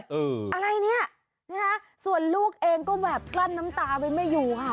อะไรเนี่ยนะคะส่วนลูกเองก็แบบกลั้นน้ำตาไว้ไม่อยู่ค่ะ